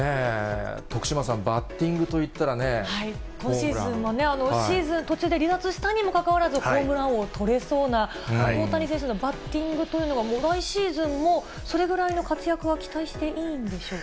徳島さん、今シーズンもね、シーズン途中で離脱したにもかかわらず、ホームラン王取れそうな大谷選手のバッティングというのが、もう来シーズンもそれぐらいの活躍は期待していいんでしょうか。